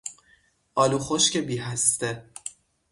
آلو خشک بی هسته